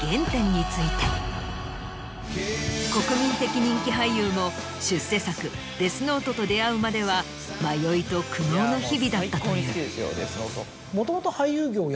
国民的人気俳優も出世作『デスノート』と出合うまでは迷いと苦悩の日々だったという。